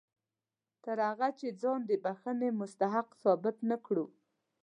تر هغه چې ځان د بښنې مستحق ثابت نه کړو.